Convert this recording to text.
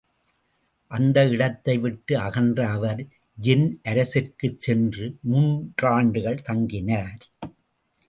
அந்த இடத்தை விட்டு அகன்ற அவர், யென் அரசிற்குச் சென்று மூன்றாண்டுகள் தங்கினார்.